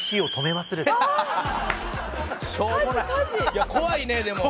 いや怖いねでも。